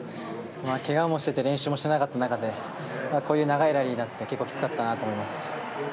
怪我もしていて練習もしていなかった中でこういう長いラリーになって結構きつかったなと思います。